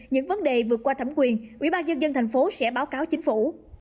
những vấn đề vượt qua thẩm quyền ủy ban nhân dân tp hcm sẽ báo cáo chính phủ